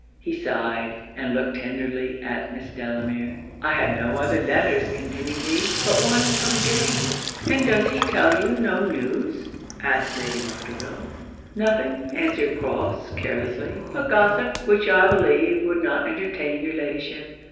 He sighed, and looked tenderly at Miss Delamere. 'I have no other letters,' continued he, 'but one from James.' 'And does he tell you no news,' asked Lady Montreville? 'Nothing,' answered Crofts, carelessly, 'but gossip, which I believe would not entertain your Ladyship.'